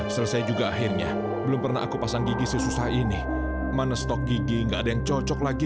selesai juga akhirnya belum pernah aku pasang gigi sesusah ini mana stok gigi nggak ada yang cocok lagi